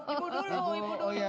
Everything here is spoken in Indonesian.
ibu dulu ibu dulu